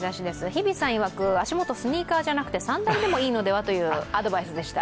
日比さん曰く、足元スニーカーではなくてサンダルでもいいのではというアドバイスでした。